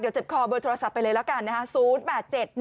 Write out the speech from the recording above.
เดี๋ยวเจ็บคอเบอร์โทรศัพท์ไปเลยแล้วกันนะฮะ